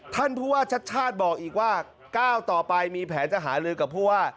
ท่านผู้ว่าชัดชาติบอกอีกว่าก้าวต่อไปมีแผนจะหาลือกับผู้ว่า